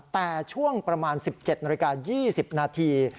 แต่ช่วงประมาณ๑๗นาฬิกา๒๐นาที